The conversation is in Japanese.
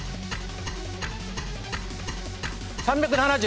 ３７０。